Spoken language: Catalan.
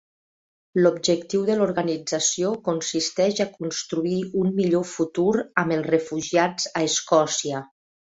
L'objectiu de l'organització consisteix a "construir un millor futur amb els refugiats a Escòcia".